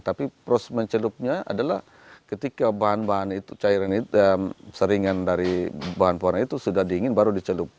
tapi proses mencelupnya adalah ketika bahan bahan itu cairan itu seringan dari bahan warna itu sudah dingin baru dicelup